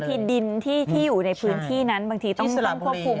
ดินที่อยู่ในพื้นที่นั้นบางทีต้องควบคุม